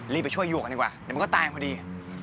ไปช่วยอยู่กันดีกว่าเดี๋ยวมันก็ตายพอดี